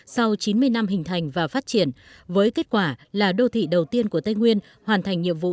sau chín mươi năm hình thành và phát triển với kết quả là đô thị đầu tiên của tây nguyên hoàn thành nhiệm vụ